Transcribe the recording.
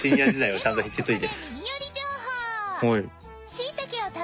はい。